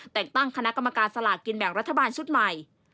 แต่งตั้งคณะกรรมการสลากกินแบ่งรัฐบาลชุดใหม่